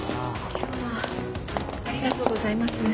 今日はありがとうございます。